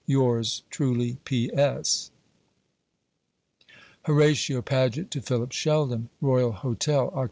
Yours truly, P.S. Horatio Paget to Philip Sheldon. Royal Hotel, Oct.